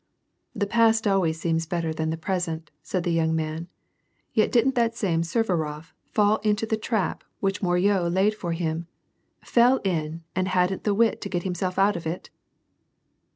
*' The past always seems better than the present," said the young man ;" yet didn't that same Suvarof fall into the trap which Moreau laid for him, — fell in, and hadn't the wit to get himself out of it